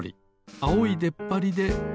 あおいでっぱりでクルリ。